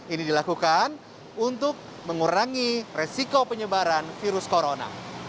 ini dilakukan untuk mengurangi resiko penyebaran virus corona